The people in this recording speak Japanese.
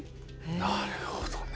なるほどね。